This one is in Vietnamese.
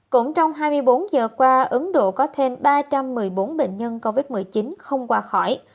cũng trong hai mươi bốn giờ qua ấn độ có thêm ba trăm một mươi bốn bệnh nhân covid một mươi chín không qua khỏi